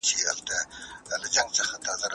څوک بايد د انسان خواخوږی وي؟